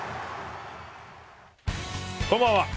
こんばんは。